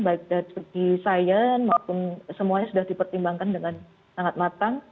baik dari segi sains maupun semuanya sudah dipertimbangkan dengan sangat matang